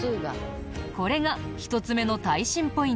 これが１つ目の耐震ポイントだよ。